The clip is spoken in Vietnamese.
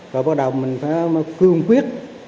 rồi bắt đầu mình phải cương quyết